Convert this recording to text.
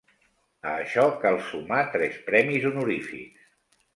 A això cal sumar tres Premis honorífics.